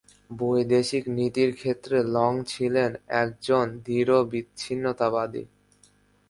বৈদেশিক নীতির ক্ষেত্রে লং ছিলেন একজন দৃঢ় বিচ্ছিন্নতাবাদী।